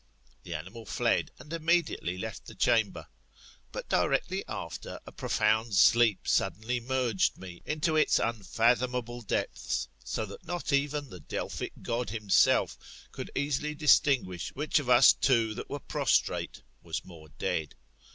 The animal fled, and immediately left the chamber. But directly after, a profound sleep suddenly merged me into its unfathomable depths; so that not even the Delphic god himseif could easily distinguish which of us two that were prostrate, was more dead.